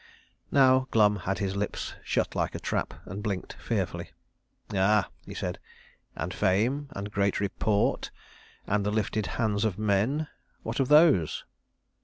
Now Glum had his lips shut like a trap, and blinked fearfully. "Ah," he said, "and fame, and great report, and the lifted hands of men what of those?"